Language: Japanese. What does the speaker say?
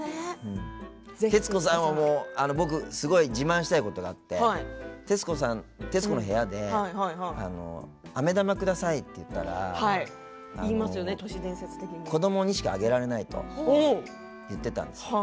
徹子さんは、僕すごい自慢したいことがあって「徹子の部屋」であめ玉くださいって言ったら子どもにしかあげられないと言ってたんです。